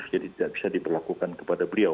jadi tidak bisa diberlakukan kepada beliau